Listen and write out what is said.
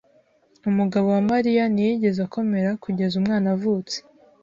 Umugabo wa Mariya ntiyigeze akomera kugeza umwana avutse.